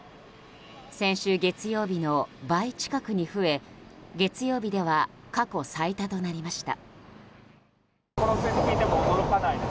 先週月曜日の倍近くに増え月曜日では過去最多となりました。